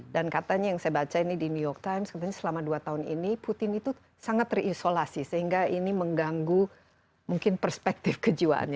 dan katanya yang saya baca ini di new york times selama dua tahun ini putin itu sangat terisolasi sehingga ini mengganggu mungkin perspektif kejiwaannya